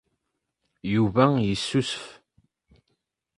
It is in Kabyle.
Yuba yessusef.